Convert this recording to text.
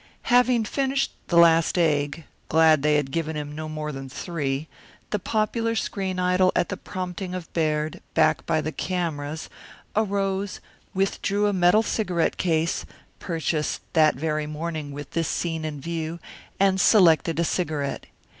Having finished the last egg glad they had given him no more than three the popular screen idol at the prompting of Baird, back by the cameras, arose, withdrew a metal cigarette case, purchased that very morning with this scene in view, and selected a cigarette.